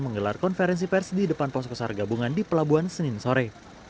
menggelar konferensi pers di depan poskosar gabungan di pelabuhan senin sore